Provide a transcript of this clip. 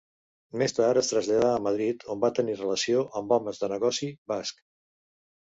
Més tard es traslladà a Madrid, on va tenir relació amb homes de negoci bascs.